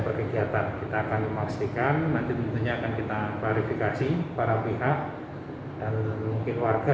berkegiatan kita akan memastikan nanti tentunya akan kita klarifikasi para pihak dan mungkin warga